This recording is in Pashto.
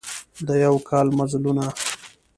د یوه کال مزلونه